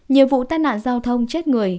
nhiều vụ tàn nạn giao thông chết người